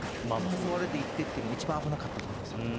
誘われて行ってっていうのは一番危なかったと思いますね。